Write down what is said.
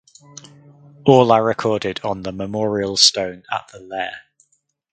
All are recorded on the memorial stone at the lair.